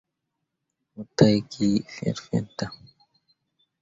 Mo taa gi fet fet dan.